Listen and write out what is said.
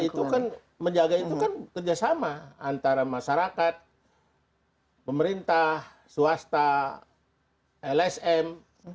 itu kan menjaga itu kan kerjasama antara masyarakat pemerintah swasta lsm